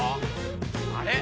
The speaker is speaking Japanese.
あれ？